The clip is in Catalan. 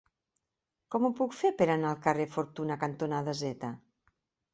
Com ho puc fer per anar al carrer Fortuna cantonada Z?